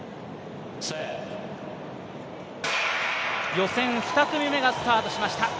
予選２組目がスタートしました。